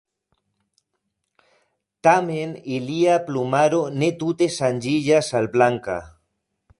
Tamen ilia plumaro ne tute ŝanĝiĝas al blanka.